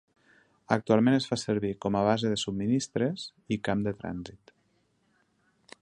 Actualment es fa servir com a base de subministres i camp de trànsit.